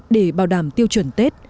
để bảo đảm tiêu chuẩn tết